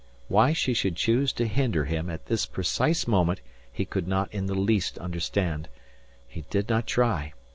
Why she should choose to hinder him at this precise moment he could not in the least understand. He did not try.